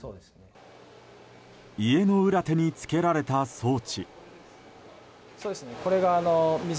家の裏手につけられた装置。